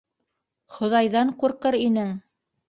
Хоҙайҙан ҡурҡыр инең!..